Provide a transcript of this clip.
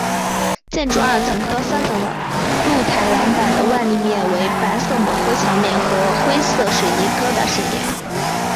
建筑二层和三层的露台栏板的外立面为白色抹灰墙面和灰色水泥疙瘩饰面。